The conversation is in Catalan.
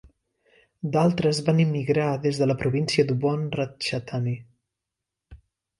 D'altres van immigrar des de la província d'Ubon Ratchathani.